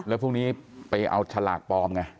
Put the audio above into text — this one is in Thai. แล้วพรุ่งนี้ไปเอาฉลากปลอมไง